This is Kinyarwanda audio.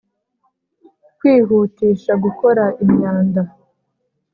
kwihutisha gukora imyanda